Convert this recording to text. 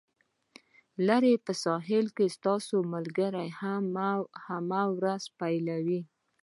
لرې په سویل کې ستاسو ملګري هم ورځ پیلوي